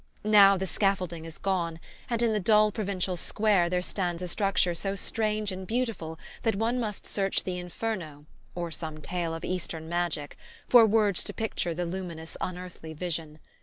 Now the scaffolding is gone, and in the dull provincial square there stands a structure so strange and beautiful that one must search the Inferno, or some tale of Eastern magic, for words to picture the luminous unearthly vision.